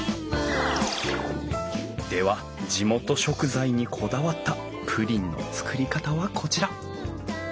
では地元食材にこだわったプリンの作り方はこちら！